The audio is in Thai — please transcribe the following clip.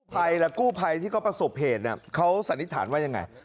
ภัยและกู้ภัยที่ก็ประสบเหตุน่ะเขาสันนิษฐานว่ายังไง